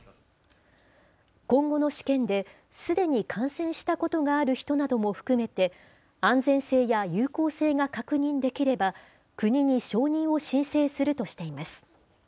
今後の試験で、すでに感染したことがある人なども含めて、安全性や有効性が確認できれば、国に承認を申請するとしています。